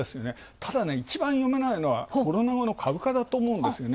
ただ一番読めないのはコロナ後の株価だと思うんですよね。